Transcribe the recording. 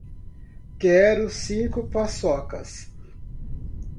Quero cinco paçocas